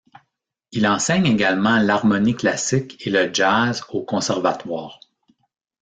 Il enseigne également l'harmonie classique et le jazz au conservatoire.